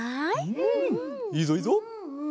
うんいいぞいいぞ。